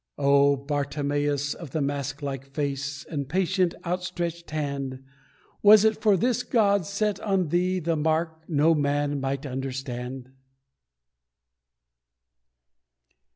Oh, Bartimeus of the mask like face, And patient, outstretched hand, Was it for this God set on thee the mark No man might understand?